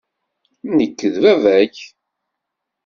Nekk d baba-k.